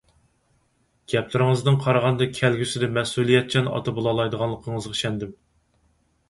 گەپلىرىڭىزدىن قارىغاندا كەلگۈسىدە مەسئۇلىيەتچان ئاتا بولالايدىغانلىقىڭىزغا ئىشەندىم.